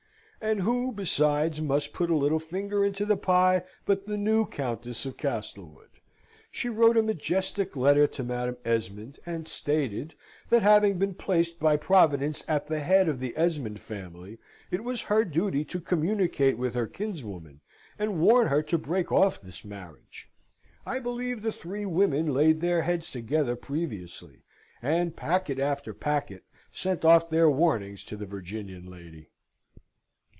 And who besides must put a little finger into the pie but the new Countess of Castlewood? She wrote a majestic letter to Madam Esmond, and stated, that having been placed by Providence at the head of the Esmond family, it was her duty to communicate with her kinswoman and warn her to break off this marriage. I believe the three women laid their heads together previously; and, packet after packet, sent off their warnings to the Virginian lady.